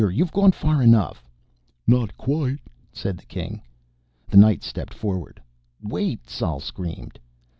You've gone far enough " "Not quite," said the King. The Knights stepped forward. "Wait!" Sol screamed.